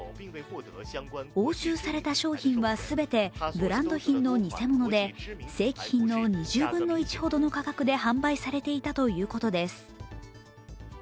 押収された商品は全てブランド品の偽物で正規品の２０分の１ほどの価格で販売されていたということです。